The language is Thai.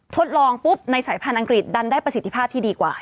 ทดลองปุ๊บในสายพันธุ์อังกฤษดันได้ประสิทธิภาพที่ดีกว่า